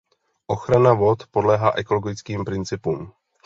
Ochrana vod podléhá ekologickým principům.